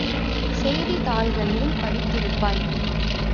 செய்தித் தாள்களிலும் படித்திருப்பாய்!